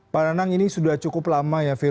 pak renang ini sudah cukup lama ya virus ini berubah